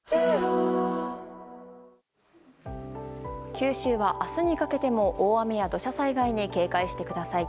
九州は明日にかけても、大雨や土砂災害に警戒してください。